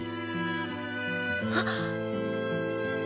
あっ。